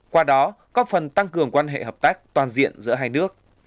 qua đó có phần tăng cường quan hệ hợp tác toàn diện giữa hai nước